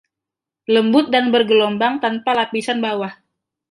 Lembut dan bergelombang tanpa lapisan bawah.